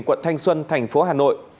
quận thanh xuân tp hà nội